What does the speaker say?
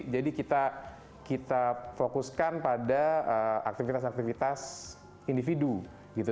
jadi kita fokuskan pada aktivitas aktivitas individu